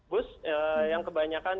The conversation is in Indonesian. bus yang kebanyakan